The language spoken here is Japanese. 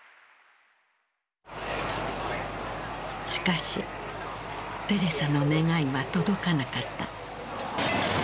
しかしテレサの願いは届かなかった。